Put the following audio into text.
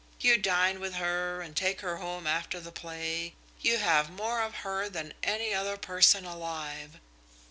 You dine with her and take her home after the play. You have more of her than any other person alive.